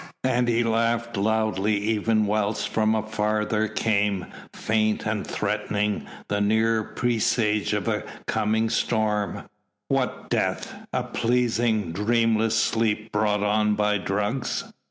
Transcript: and he laughed loudly even whilst from afar there came, faint and threatening, the nearer presage of the coming storm. "What death? A pleasing, dreamless sleep brought on by drugs?